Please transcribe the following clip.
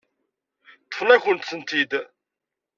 Ṭṭfen-akent-tent-id.